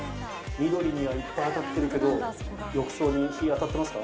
緑にはいっぱい当たってるけど浴槽に日当たってますか？